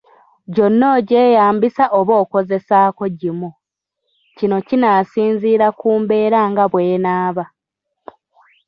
Gyonna ogyeyambisa oba okozesaako gimu, kino kinaasinziira ku mbeera nga bw’enaaba.